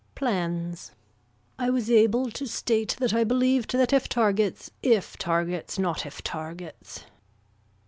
Plans. I was able to state that I believed that if targets if targets not if targets.